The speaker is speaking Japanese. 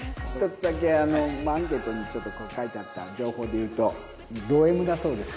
１つだけアンケートに書いてあった情報でいうとドＭだそうです。